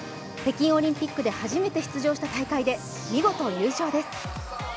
北京オリンピック後初めて出場した大会で見事優勝です。